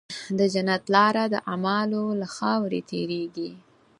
د جنت لاره د اعمالو له خاورې تېرېږي.